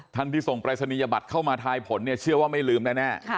ท่านที่ส่งปรายศนียบัตรเข้ามาทายผลเชื่อว่าไม่ลืมได้แน่